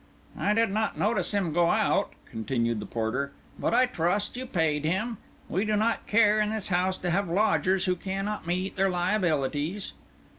"I did not notice him go out," continued the porter, "but I trust you paid him. We do not care, in this house, to have lodgers who cannot meet their liabilities."